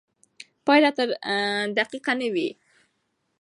پایله تل دقیقه نه وي.